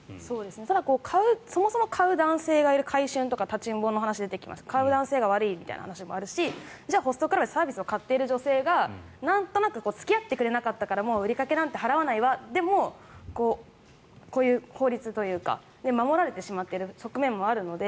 ただそもそも買う男性がいる買春とか立ちんぼの話出てきますが買う男性が悪いという話もあるしじゃあホストクラブでサービスを買ってる女性がなんとなく付き合ってくれなかったから売り掛けなんて払わないわでこういう法律で守られてしまっている側面もあるので